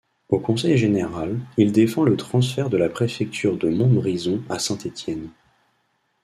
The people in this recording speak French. Au conseil général, il défend le transfert de la préfecture de Montbrison à Saint-Étienne.